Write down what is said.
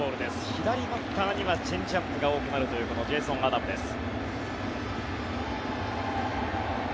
左バッターにはチェンジアップが多くなるというこのジェーソン・アダムです。